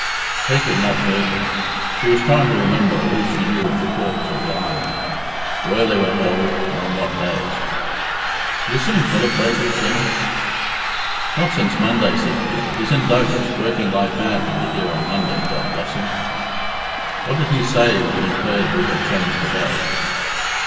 Kate had not heard him. She was trying to remember all she knew of the courts of the island where they were held, and on what days. "Have you seen Philip lately?" she asked. "Not since Monday," said Pete. "He's in Douglas, working like mad to be here on Monday, God bless him!" "What did he say when he heard we had changed the day?"